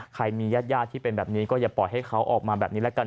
ใครมีญาติที่เป็นแบบนี้ก็อย่าปล่อยให้เขาออกมาแบบนี้แล้วกัน